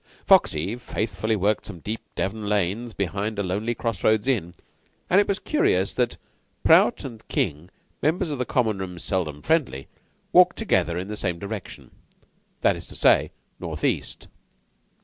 Foxy faithfully worked some deep Devon lanes behind a lonely cross roads inn; and it was curious that Prout and King, members of Common room seldom friendly, walked together in the same direction that is to say, northeast.